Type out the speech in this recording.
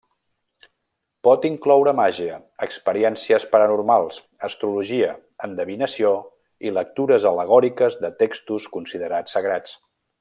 Pot incloure màgia, experiències paranormals, astrologia, endevinació i lectures al·legòriques de textos considerats sagrats.